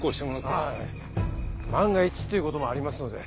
あぁ万が一っていうこともありますので。